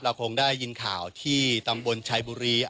คงได้ยินข่าวที่ตำบลชัยบุรี